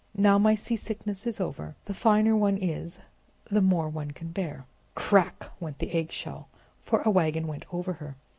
Now my seasickness is over. The finer one is, the more one can bear." "Crack!" went the eggshell, for a wagon went over her.